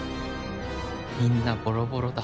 みんなボロボロだ。